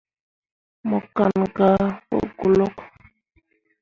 Mo kan gah pu golok.